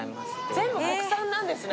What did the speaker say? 全部、国産なんですね。